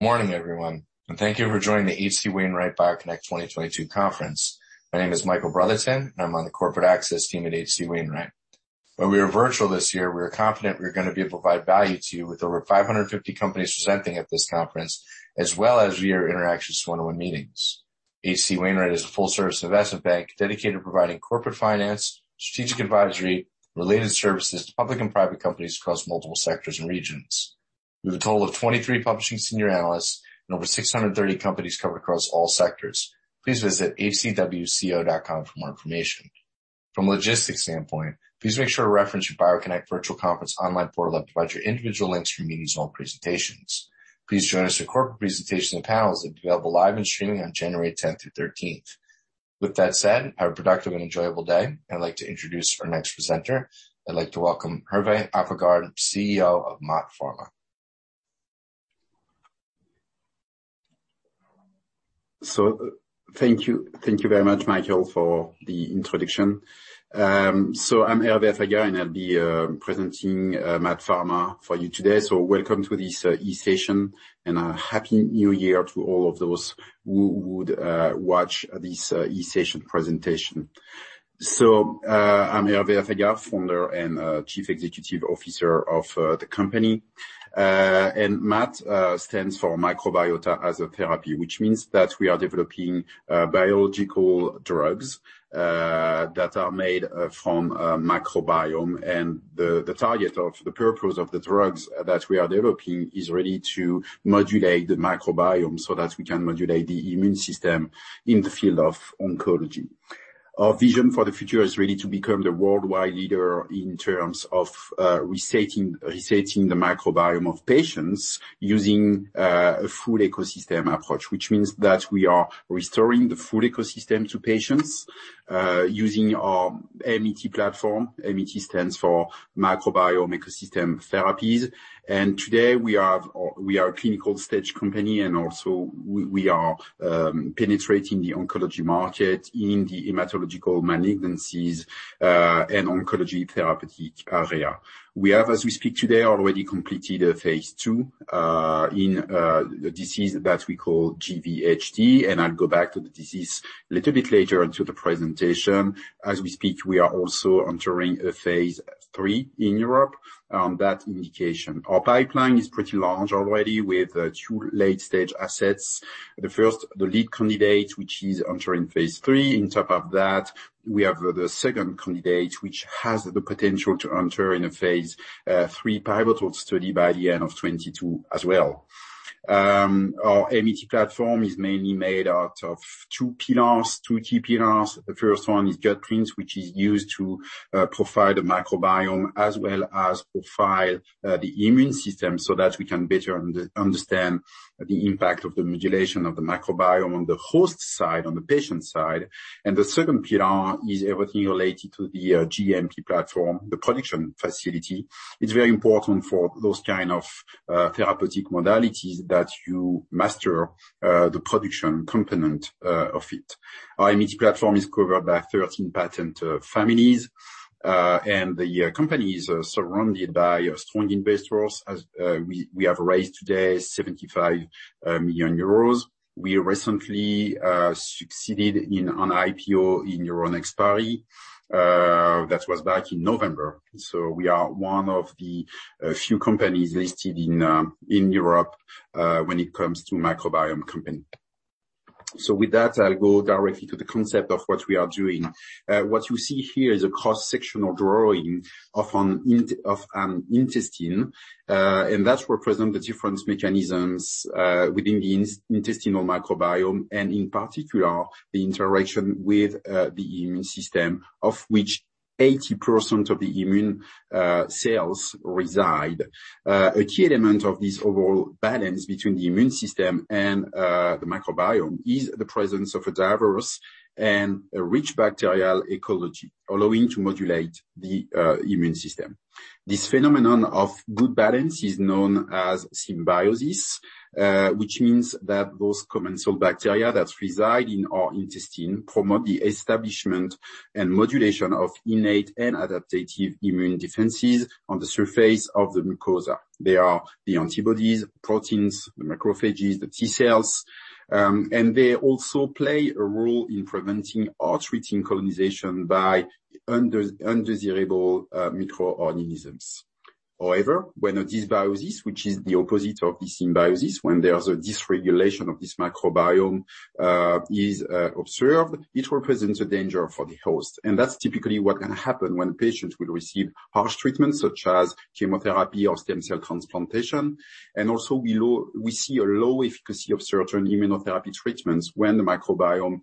Morning everyone, and thank you for joining the H.C. Wainwright BioConnect 2022 Conference. My name is Michael Brotherton, and I'm on the corporate access team at H.C. Wainwright. While we are virtual this year, we are confident we are going to be able to provide value to you with over 550 companies presenting at this conference, as well as via interactions one-on-one meetings. H.C. Wainwright is a full service investment bank dedicated to providing corporate finance, strategic advisory, related services to public and private companies across multiple sectors and regions. With a total of 23 publishing senior analysts and over 630 companies covered across all sectors. Please visit hcwco.com for more information. From a logistics standpoint, please make sure to reference your BioConnect virtual conference online portal that provides your individual links for meetings and all presentations. Please join us for corporate presentations and panels that will be available live in streaming on January tenth through thirteenth. With that said, have a productive and enjoyable day. I'd like to introduce our next presenter. I'd like to welcome Hervé Affagard, CEO of MaaT Pharma. Thank you. Thank you very much, Michael, for the introduction. I'm Hervé Affagard, and I'll be presenting MaaT Pharma for you today. Welcome to this e-session, and a happy New Year to all of those who would watch this e-session presentation. I'm Hervé Affagard, Founder and Chief Executive Officer of the company. MaaT stands for Microbiota as a Therapy, which means that we are developing biological drugs that are made from microbiome. The target of the purpose of the drugs that we are developing is really to modulate the microbiome so that we can modulate the immune system in the field of oncology. Our vision for the future is really to become the worldwide leader in terms of resetting the microbiome of patients using a full ecosystem approach, which means that we are restoring the full ecosystem to patients using our MET platform. MET stands for Microbiome Ecosystem Therapies. Today we are a clinical stage company, and also we are penetrating the oncology market in the hematological malignancies and oncology therapeutic area. We have, as we speak today, already completed a phase II in the disease that we call GVHD, and I'll go back to the disease little bit later into the presentation. As we speak, we are also entering a phase III in Europe on that indication. Our pipeline is pretty large already with two late-stage assets. The first, the lead candidate, which is entering phase III. On top of that, we have the second candidate, which has the potential to enter in a phase III pivotal study by the end of 2022 as well. Our MET platform is mainly made out of two pillars, two key pillars. The first one is gutPrint, which is used to profile the microbiome as well as profile the immune system so that we can better understand the impact of the modulation of the microbiome on the host side, on the patient side. The second pillar is everything related to the GMP platform, the production facility. It's very important for those kind of therapeutic modalities that you master the production component of it. Our MET platform is covered by 13 patent families. The company is surrounded by a strong investor base. We have raised to date 75 million euros. We recently succeeded in an IPO in Euronext Paris. That was back in November. We are one of the few companies listed in Europe when it comes to microbiome company. With that, I'll go directly to the concept of what we are doing. What you see here is a cross-sectional drawing of an intestine, and that represent the different mechanisms within the intestinal microbiome, and in particular, the interaction with the immune system, of which 80% of the immune cells reside. A key element of this overall balance between the immune system and the microbiome is the presence of a diverse and a rich bacterial ecology, allowing to modulate the immune system. This phenomenon of good balance is known as symbiosis, which means that those commensal bacteria that reside in our intestine promote the establishment and modulation of innate and adaptive immune defenses on the surface of the mucosa. They are the antibodies, proteins, the macrophages, the T-cells, and they also play a role in preventing or treating colonization by undesirable microorganisms. However, when dysbiosis, which is the opposite of the symbiosis, when there's a dysregulation of this microbiome, is observed, it represents a danger for the host. That's typically what's going to happen when patients will receive harsh treatments such as chemotherapy or stem cell transplantation. Also below we see a low efficacy of certain immunotherapy treatments when the microbiome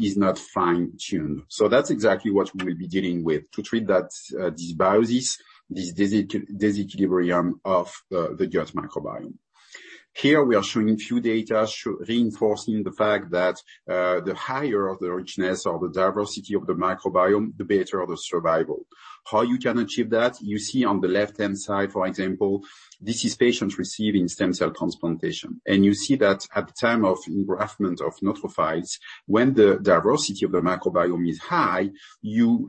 is not fine-tuned. That's exactly what we will be dealing with to treat that, dysbiosis, this disequilibrium of the gut microbiome. Here we are showing a few data reinforcing the fact that, the higher the richness or the diversity of the microbiome, the better the survival. How you can achieve that, you see on the left-hand side, for example, this is patients receiving stem cell transplantation. You see that at the time of engraftment of neutrophils, when the diversity of the microbiome is high, you'll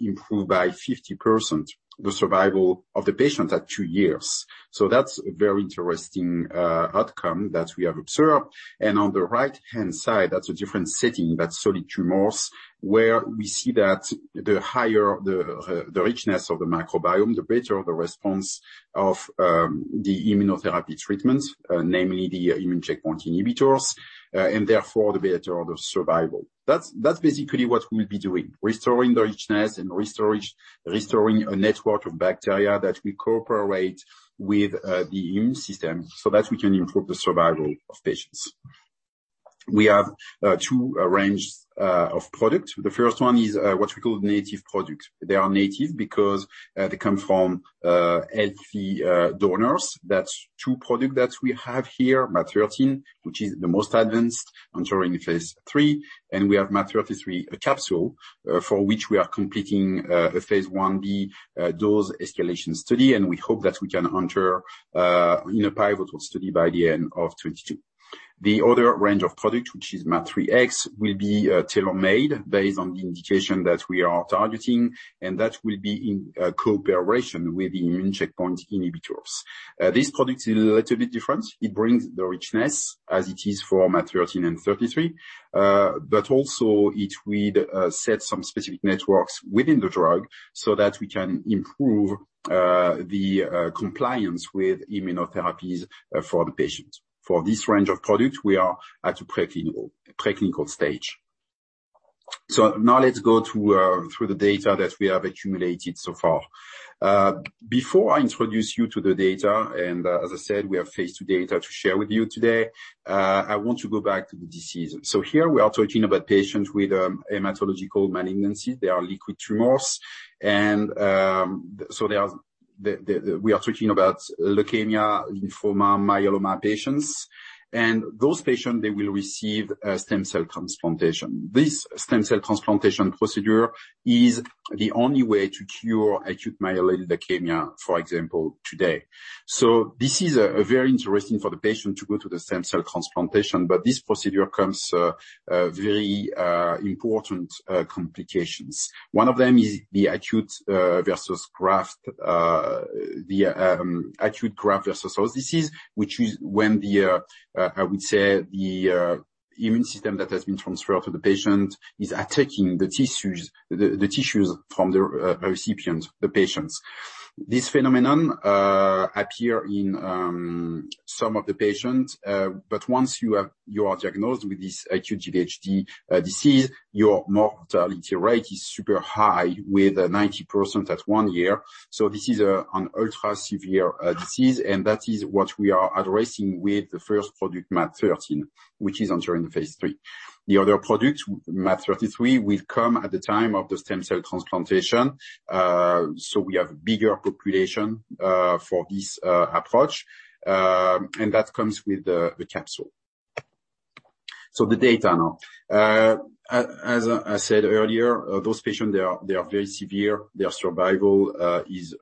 improve by 50% the survival of the patients at two years. That's a very interesting outcome that we have observed. On the right-hand side, that's a different setting. That's solid tumors, where we see that the higher the richness of the microbiome, the better the response of the immunotherapy treatments, namely the immune checkpoint inhibitors, and therefore the better the survival. That's basically what we'll be doing, restoring the richness and restoring a network of bacteria that will cooperate with the immune system so that we can improve the survival of patients. We have two ranges of products. The first one is what we call native products. They are native because they come from healthy donors. That's two products that we have here, MaaT013, which is the most advanced, entering phase III. We have MaaT033 capsule, for which we are completing a phase I-B dose escalation study, and we hope that we can enter in a pivotal study by the end of 2022. The other range of products, which is MaaT03X, will be tailor-made based on the indication that we are targeting, and that will be in cooperation with immune checkpoint inhibitors. This product is a little bit different. It brings the richness as it is for MaaT013 and MaaT033, but also it will set some specific networks within the drug so that we can improve the compliance with immunotherapies for the patients. For this range of products, we are at a preclinical stage. Now let's go through the data that we have accumulated so far. Before I introduce you to the data, and as I said, we have phase II data to share with you today, I want to go back to the disease. Here we are talking about patients with hematological malignancy. They are liquid tumors. We are talking about leukemia, lymphoma, myeloma patients. Those patients, they will receive a stem cell transplantation. This stem cell transplantation procedure is the only way to cure acute myeloid leukemia, for example, today. This is very interesting for the patient to go through the stem cell transplantation, but this procedure comes very important complications. One of them is the acute graft-versus-host disease, which is when I would say the immune system that has been transferred to the patient is attacking the tissues from the recipients, the patients. This phenomenon appear in some of the patients. But once you are diagnosed with this acute GVHD disease, your mortality rate is super high with 90% at one year. This is an ultra severe disease, and that is what we are addressing with the first product, MaaT013, which is entering phase III. The other product, MaaT033, will come at the time of the stem cell transplantation. We have bigger population for this approach, and that comes with the capsule. The data now. As I said earlier, those patients, they are very severe. Their survival is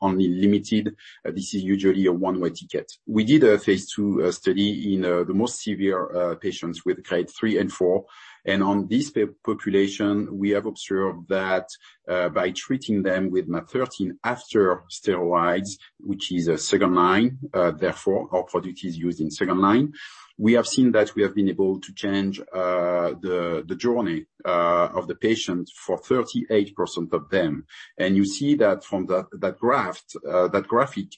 only limited. This is usually a one-way ticket. We did a phase II study in the most severe patients with grade three and four. On this population, we have observed that by treating them with MaaT013 after steroids, which is a second-line, therefore our product is used in second line. We have seen that we have been able to change the journey of the patients for 38% of them. You see that from that graphic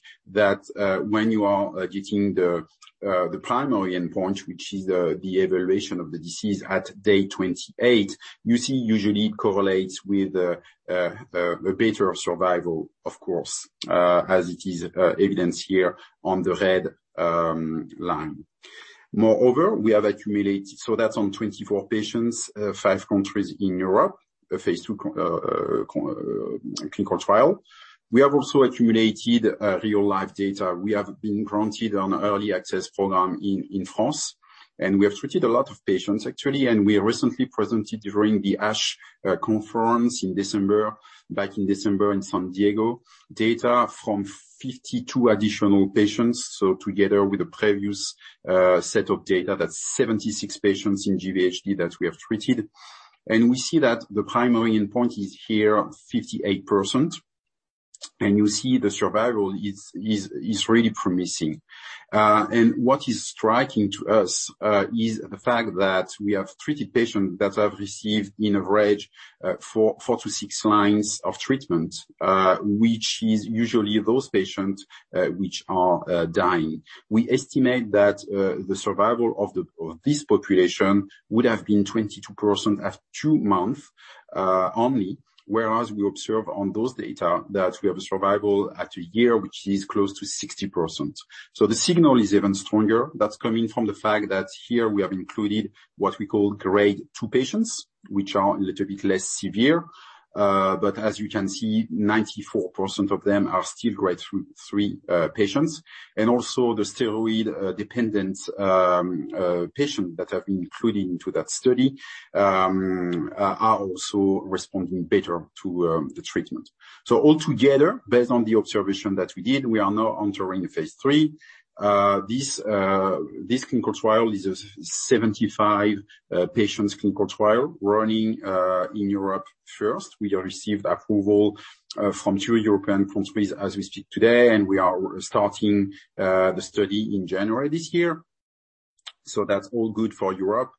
when you are getting the primary endpoint, which is the evaluation of the disease at day 28, you see usually correlates with a better survival of course, as it is evidenced here on the red line. Moreover, we have accumulated. That's on 24 patients, five countries in Europe, a phase II clinical trial. We have also accumulated real-life data. We have been granted an early access program in France, and we have treated a lot of patients actually. We recently presented during the ASH conference in December, back in December in San Diego, data from 52 additional patients. Together with the previous set of data, that's 76 patients in GVHD that we have treated. We see that the primary endpoint is here 58%. You see the survival is really promising. What is striking to us is the fact that we have treated patients that have received in average four to six lines of treatment, which is usually those patients which are dying. We estimate that the survival of this population would have been 22% at two months only, whereas we observe on those data that we have a survival at a year, which is close to 60%. The signal is even stronger. That's coming from the fact that here we have included what we call grade two patients, which are a little bit less severe. As you can see, 94% of them are still grade three patients. Also the steroid-dependent patients that have been included into that study are also responding better to the treatment. Altogether, based on the observation that we did, we are now entering the phase III. This clinical trial is a 75-patient clinical trial running in Europe first. We have received approval from two European countries as we speak today, and we are starting the study in January this year. That's all good for Europe.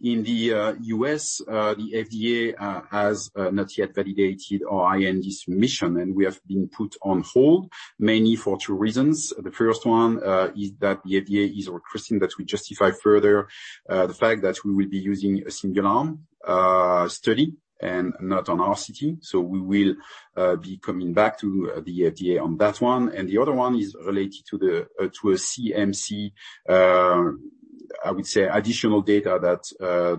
In the U.S., the FDA has not yet validated our IND submission, and we have been put on hold, mainly for two reasons. The first one is that the FDA is requesting that we justify further the fact that we will be using a single-arm study and not an RCT. We will be coming back to the FDA on that one. The other one is related to a CMC, I would say additional data that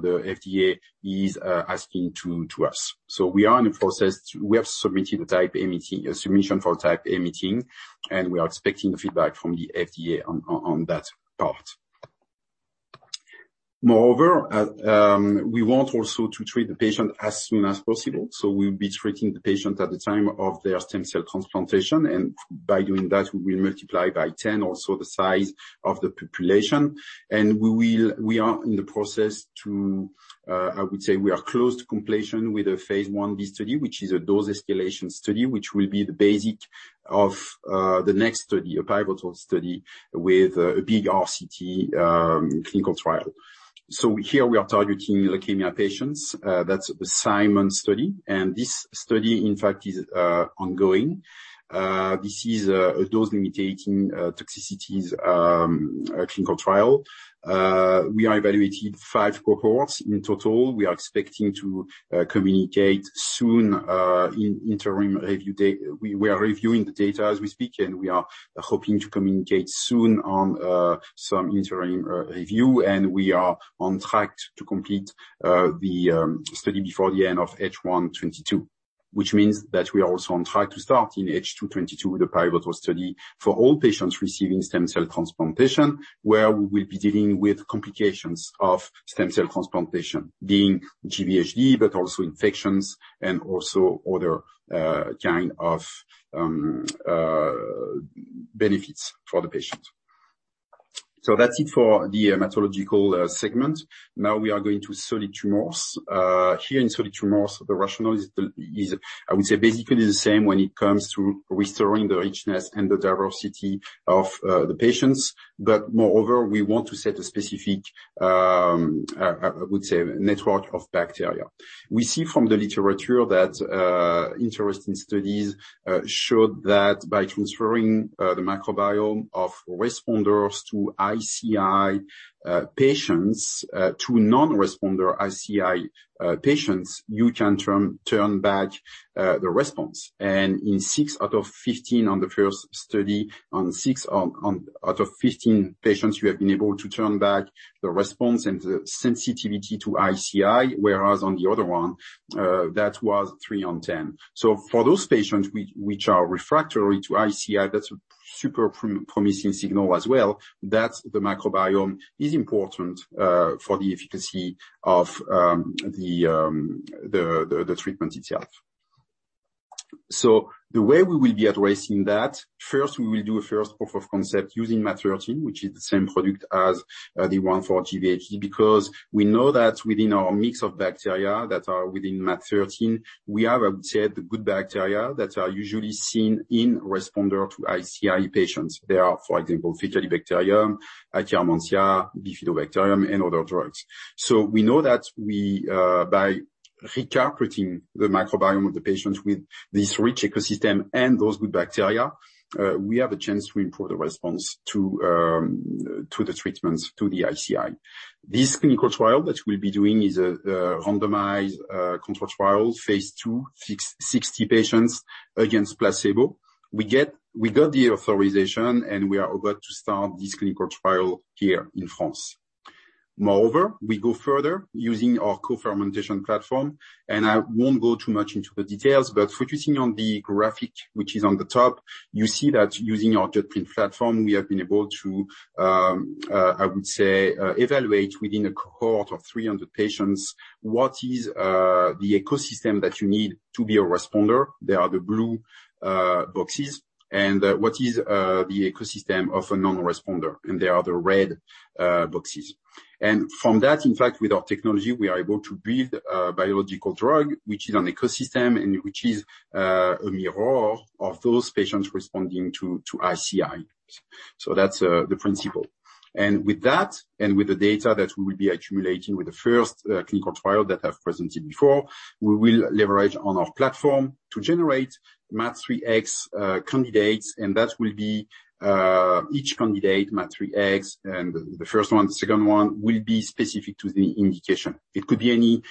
the FDA is asking us. We are in the process. We have submitted a submission for a Type A meeting, and we are expecting the feedback from the FDA on that part. Moreover, we want also to treat the patient as soon as possible, so we'll be treating the patient at the time of their stem cell transplantation, and by doing that, we will multiply by 10 also the size of the population. We will... We are close to completion with the phase I-B study, which is a dose-escalation study, which will be the basis of the next study, a pivotal study with a big RCT clinical trial. Here we are targeting leukemia patients. That's the CIMON study. This study, in fact, is ongoing. This is a dose-limiting toxicities clinical trial. We are evaluating five cohorts in total. We are expecting to communicate soon on interim review. We are reviewing the data as we speak, and we are hoping to communicate soon on some interim review. We are on track to complete the study before the end of H1 2022. Which means that we are also on track to start in H2 2022 the pivotal study for all patients receiving stem cell transplantation, where we will be dealing with complications of stem cell transplantation, being GVHD, but also infections and also other kind of benefits for the patient. That's it for the methodological segment. Now we are going to solid tumors. Here in solid tumors, the rationale is, I would say, basically the same when it comes to restoring the richness and the diversity of the patients. Moreover, we want to set a specific, I would say, network of bacteria. We see from the literature that interesting studies showed that by transferring the microbiome of responders to ICI patients to non-responder ICI patients, you can turn back the response. In six out of 15 on the first study, six out of 15 patients, we have been able to turn back the response and the sensitivity to ICI, whereas on the other one, that was three out of 10. For those patients which are refractory to ICI, that's a super promising signal as well, that the microbiome is important for the efficacy of the treatment itself. The way we will be addressing that, first we will do a first proof of concept using MaaT013, which is the same product as the one for GVHD, because we know that within our mix of bacteria that are within MaaT013, we have observed the good bacteria that are usually seen in responder to ICI patients. They are, for example, Faecalibacterium, Akkermansia, Bifidobacterium, and others. We know that we by recapitulating the microbiome of the patients with this rich ecosystem and those good bacteria, we have a chance to improve the response to the treatments, to the ICI. This clinical trial that we'll be doing is a randomized controlled trial, phase II, 60 patients against placebo. We got the authorization, and we are about to start this clinical trial here in France. Moreover, we go further using our co-fermentation platform, and I won't go too much into the details, but focusing on the graphic, which is on the top, you see that using our gutPrint platform, we have been able to, I would say, evaluate within a cohort of 300 patients what is the ecosystem that you need to be a responder. They are the blue boxes. What is the ecosystem of a non-responder, and they are the red boxes. From that, in fact, with our technology, we are able to build a biological drug, which is an ecosystem and which is a mirror of those patients responding to ICIs. That's the principle. With that, and with the data that we will be accumulating with the first clinical trial that I've presented before, we will leverage on our platform to generate MaaT03X candidates, and that will be each candidate, MaaT03X, and the first one, second one will be specific to the indication. It could be any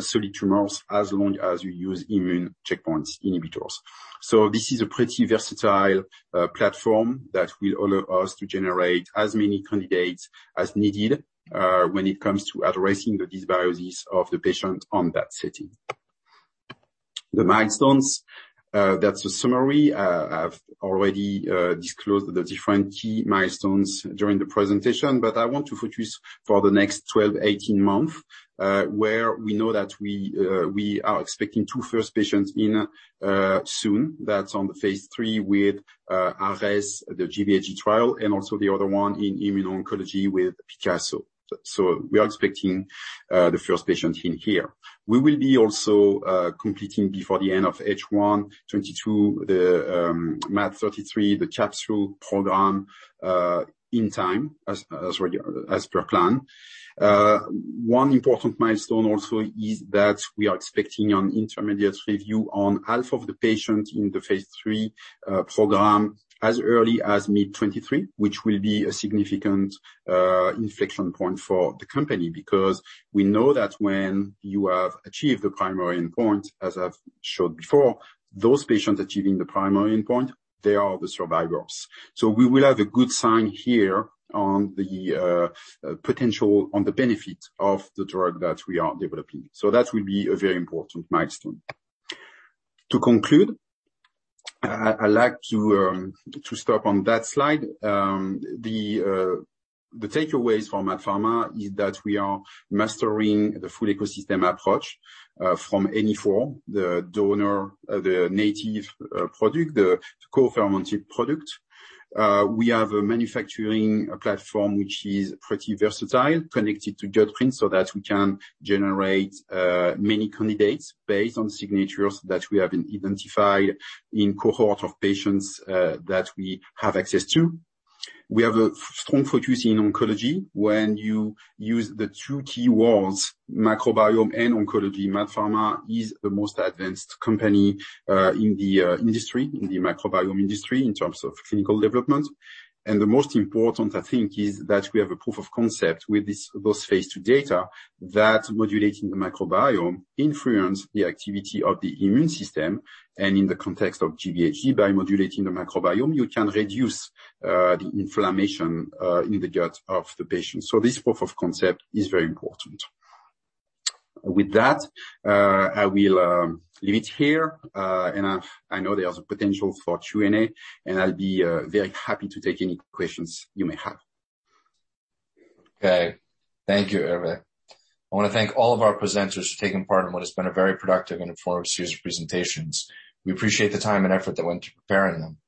solid tumors as long as you use immune checkpoint inhibitors. This is a pretty versatile platform that will allow us to generate as many candidates as needed when it comes to addressing the dysbiosis of the patient on that setting. The milestones, that's a summary. I've already disclosed the different key milestones during the presentation, but I want to focus for the next 12, 18 months, where we know that we are expecting two first patients in soon. That's on the phase III with Ares, the GVHD trial, and also the other one in immuno-oncology with PICASSO. We are expecting the first patients in here. We will also be completing before the end of H1 2022 the MaaT033, the capsule program, in time as ready, as per plan. One important milestone also is that we are expecting an intermediate review on half of the patients in the phase III program as early as mid-2023, which will be a significant inflection point for the company, because we know that when you have achieved the primary endpoint, as I've showed before, those patients achieving the primary endpoint, they are the survivors. We will have a good sign here on the potential on the benefit of the drug that we are developing. That will be a very important milestone. To conclude, I'd like to start on that slide. The takeaways from MaaT Pharma is that we are mastering the full ecosystem approach from any form, the donor, the native product, the co-fermented product. We have a manufacturing platform which is pretty versatile, connected to gutPrint so that we can generate many candidates based on signatures that we have identified in cohort of patients that we have access to. We have a strong focus in oncology. When you use the two key words, microbiome and oncology, MaaT Pharma is the most advanced company in the industry, in the microbiome industry, in terms of clinical development. The most important, I think, is that we have a proof of concept with this, those phase II data, that modulating the microbiome influence the activity of the immune system. In the context of GVHD, by modulating the microbiome, you can reduce the inflammation in the gut of the patient. This proof of concept is very important. With that, I will leave it here. I know there's a potential for Q&A, and I'll be very happy to take any questions you may have. Okay. Thank you, Hervé. I want to thank all of our presenters for taking part in what has been a very productive and informative series of presentations. We appreciate the time and effort that went to preparing them.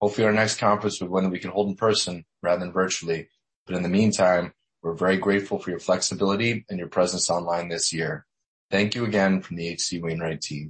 Hopefully our next conference will be one we can hold in person rather than virtually, but in the meantime, we're very grateful for your flexibility and your presence online this year. Thank you again from the H.C. Wainwright team.